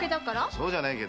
そうじゃねえけどよ。